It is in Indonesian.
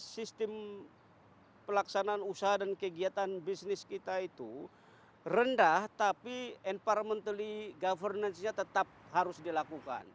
sistem pelaksanaan usaha dan kegiatan bisnis kita itu rendah tapi environmentally governance nya tetap harus dilakukan